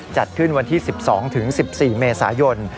จัดขึ้นวันที่๑๒๑๔เมษายน